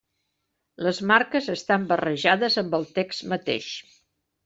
Les marques estan barrejades amb el text mateix.